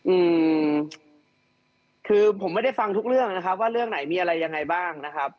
อืมคือผมไม่ได้ฟังทุกเรื่องนะครับว่าเรื่องไหนมีอะไรยังไงบ้างนะครับ